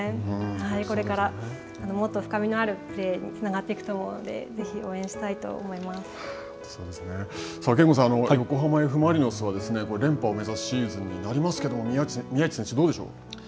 これからもっと深みのあるプレーにつながっていくと思うので、ぜさあ憲剛さん、横浜Ｆ・マリノスは、連覇を目指すシーズンになりますけど、宮市選手、どうでしょう。